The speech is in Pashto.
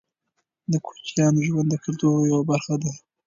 د کوچیانو ژوند د کلتور یوه برخه ده.